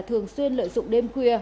thường xuyên lợi dụng đêm khuya